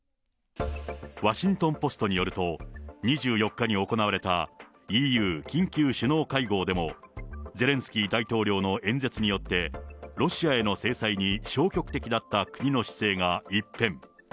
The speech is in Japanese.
ワシントン・ポストによると、２４日に行われた、ＥＵ緊急首脳会合でも、ゼレンスキー大統領の演説によって、ロシアへの制裁に消極的だった国の姿勢が一変。